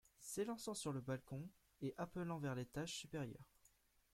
S’élançant sur le balcon et appelant vers l’étage supérieur.